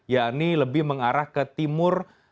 ya ini lebih mengarah ke timur